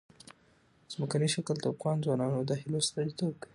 ځمکنی شکل د افغان ځوانانو د هیلو استازیتوب کوي.